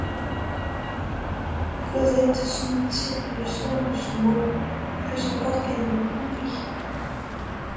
Cosette sentit le sens de ce mot plus encore qu’elle ne le comprit.